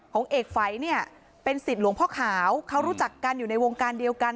เอกฝัยเนี่ยเป็นสิทธิ์หลวงพ่อขาวเขารู้จักกันอยู่ในวงการเดียวกัน